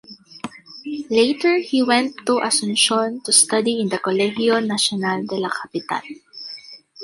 Later, he went to Asunción to study in the Colegio Nacional de la Capital.